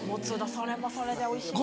それもそれでおいしいのよ。